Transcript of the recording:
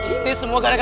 ini semua gara gara mbak